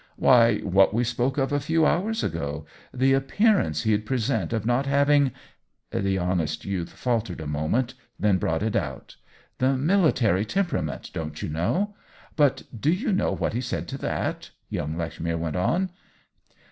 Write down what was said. " Why, what we spoke of a few hours ago. The appearance he*d present of not hav ing —" The honest youth faltered a mo ment, then brought it out: "The military temperament, don't you know.? But do you know what he said to that .?" young Lech mere went on.